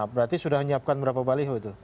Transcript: berarti sudah menyiapkan berapa balik waktu itu